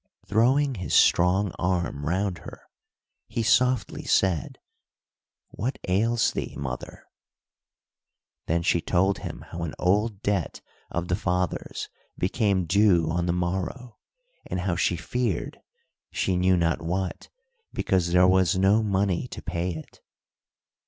Throwing his strong arm round her, he softly said, "What ails thee, mother?" Then she told him how an old debt of the father's became due on the morrow, and how she feared, she knew not what, because there was no money to pay it.